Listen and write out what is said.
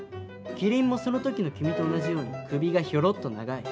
キリンもその時の君と同じように首がヒョロッと長い。